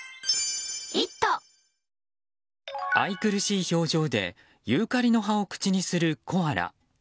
愛くるしい表情でユーカリの葉を口にするコアラ。